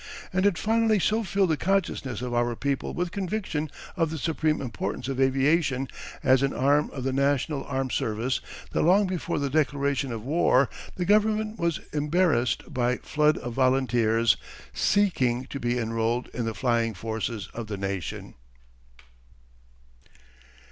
And it finally so filled the consciousness of our people with conviction of the supreme importance of aviation as an arm of the national armed service that long before the declaration of war the government was embarrassed by the flood of volunteers seeking to be enrolled in the flying forces of the nation.